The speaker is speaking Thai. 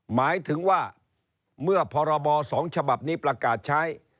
หมายถึงว่าเมื่อพรบ๒ฉบับนี้ประกาศใช้